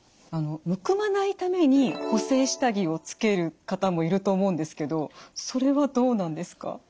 むくまないために補正下着をつける方もいると思うんですけどそれはどうなんですか？